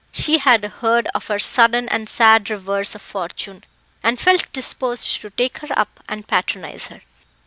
She had heard of her sudden and sad reverse of fortune, and felt disposed to take her up and patronise her.